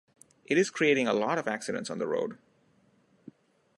It is creating a lot of accidents on the road.